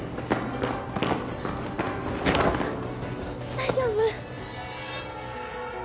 大丈夫？